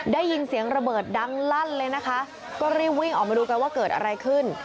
ได้ยินเสียงระเบิดดังลั่นเลยนะคะก็รีบวิ่งออกมาดูกันว่าเกิดอะไรขึ้น